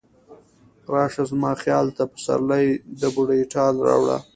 راشه زما خیال ته، پسرلی د بوډۍ ټال راوړه